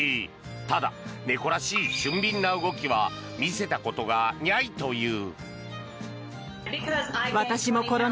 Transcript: ただ、猫らしい俊敏な動きは見せたことがにゃいという。